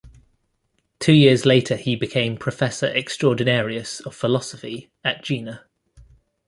Two years later he became professor extraordinarius of philosophy at Jena.